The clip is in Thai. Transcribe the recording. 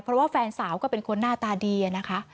เพราะว่าเขาเป็นคนหน้าตาดีอะนะคะ